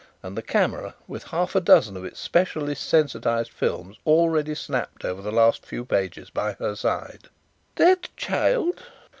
And the camera, with half a dozen of its specially sensitized films already snapped over the last few pages, by her side!" "That child!"